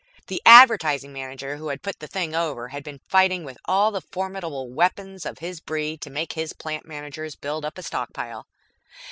The Advertising Manager who had put the thing over had been fighting with all the formidable weapons of his breed to make his plant managers build up a stockpile.